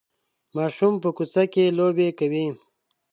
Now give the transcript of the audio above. ماشومان په کوڅه کې لوبې کوي.